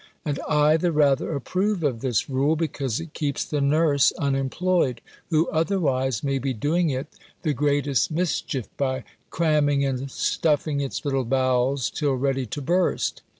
And I the rather approve of this rule, because it keeps the nurse unemployed, who otherwise may be doing it the greatest mischief, by cramming and stuffing its little bowels, till ready to burst.